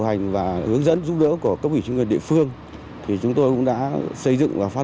hành và hướng dẫn giúp đỡ của cấp ủy chính quyền địa phương thì chúng tôi cũng đã xây dựng và phát